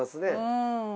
うん。